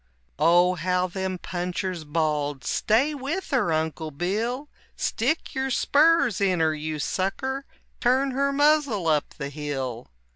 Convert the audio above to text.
Oh, how them punchers bawled, "Stay with her, Uncle Bill! Stick your spurs in her, you sucker! turn her muzzle up the hill!"